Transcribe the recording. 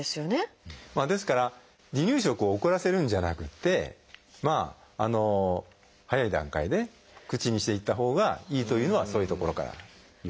ですから離乳食を遅らせるんじゃなくて早い段階で口にしていったほうがいいというのはそういうところからいうんですね。